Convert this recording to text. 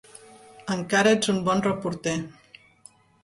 Encara ets un bon reporter.